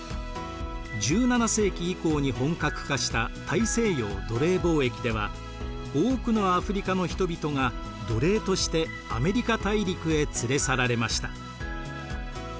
１７世紀以降に本格化した大西洋奴隷貿易では多くのアフリカの人々が奴隷としてアメリカ大陸へ連れ去られました。